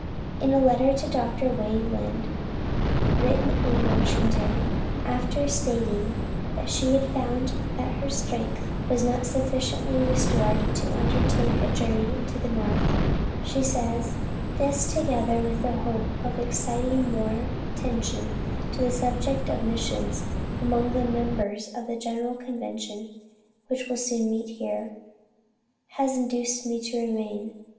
In a letter to Dr. Wayland, written in Washington, after stating that she had found that her strength was not sufficiently restored to undertake a journey to the North, she says, "This, together with the hope of exciting more attention to the subject of missions among the members of the General Convention which will soon meet here," has induced me to remain....